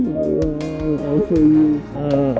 aku seneng banget asik